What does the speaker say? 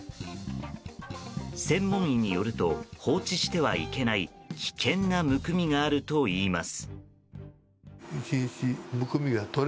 専門医によると放置してはいけない危険なむくみがあるといいます。